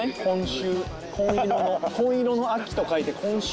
紺色の秋と書いて紺秋！